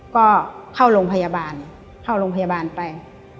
ก็เข้าโรงพยาบาลเข้าโรงพยาบาลไป